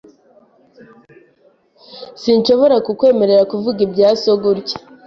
Sinshobora kukwemerera kuvuga ibya so gutya.